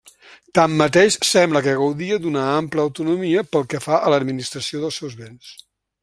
Tanmateix, sembla que gaudia d'una ampla autonomia pel que fa a l'administració dels seus béns.